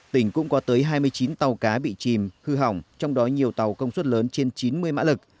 tỉnh cũng có tới hai mươi chín tàu cá bị chìm hư hỏng trong đó nhiều tàu công suất lớn trên chín mươi mã lực